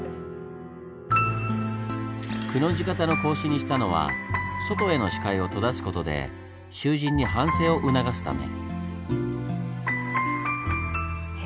「くの字」形の格子にしたのは外への視界を閉ざすことで囚人に反省を促すため。